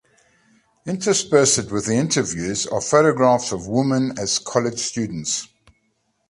Interspersed with the interviews are photographs of the women as college students.